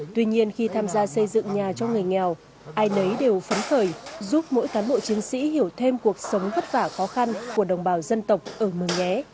tuy nhiên khi tham gia xây dựng nhà cho người nghèo ai nấy đều phấn khởi giúp mỗi cán bộ chiến sĩ hiểu thêm cuộc sống vất vả khó khăn của đồng bào dân tộc ở mường nhé